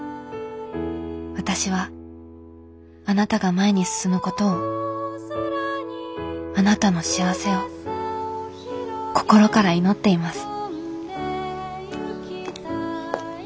私はあなたが前に進むことをあなたの幸せを心から祈っています」。